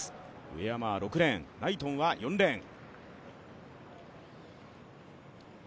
上山は６レーン、ナイトンは４レーン。